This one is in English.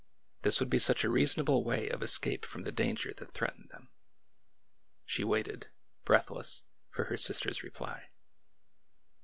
This would be such a reasonable way of escape from the danger that threatened them. She waited, breathless, for her sister's reply.